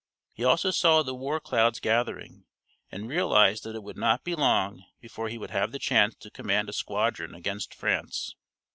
He also saw the war clouds gathering, and realized that it would not be long before he would have the chance to command a squadron against France.